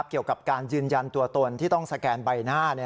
เกี่ยวกับการยืนยันตัวตนที่ต้องสแกนใบหน้า